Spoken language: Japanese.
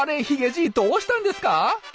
ヒゲじいどうしたんですか？